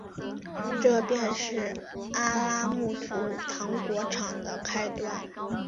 这便是阿拉木图糖果厂的开端。